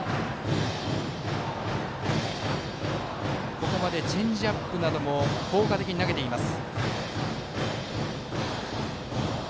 ここまでチェンジアップなども効果的に投げています。